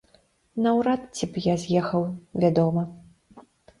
Наўрад ці б я з'ехаў, вядома.